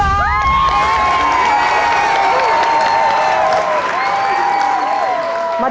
ต่อเร็วครับ